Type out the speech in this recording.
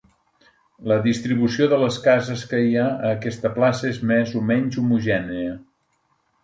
La distribució de les cases que hi ha aquesta plaça és més o menys homogènia.